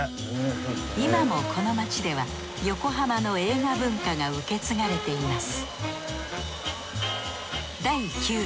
今もこの街では横浜の映画文化が受け継がれています